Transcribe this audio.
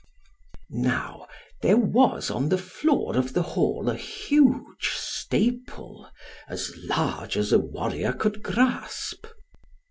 Now, there was on the floor of the hall a huge staple, as large as a warrior could grasp.